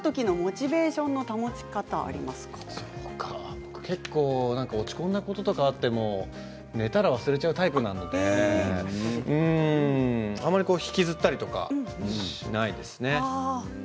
僕は落ち込んだことがあっても寝たら忘れちゃうタイプなのであまり引きずったりとかしないですね。